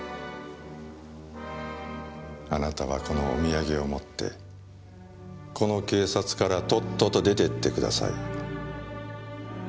あなたはこのお土産を持ってこの警察からとっとと出てってください。